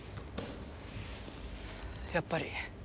やっぱり。